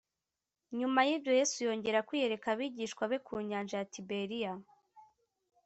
nyuma y ibyo yesu yongera kwiyereka abigishwa be ku nyanja ya tiberiya